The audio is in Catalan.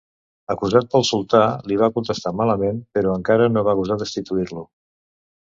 Acusat pel sultà li va contestar malament però encara no va gosar destituir-lo.